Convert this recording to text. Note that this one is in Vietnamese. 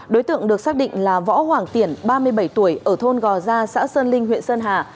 đối tượng được xác định là võ hoàng tiển ba mươi bảy tuổi ở thôn gò gia xã sơn linh huyện sơn hà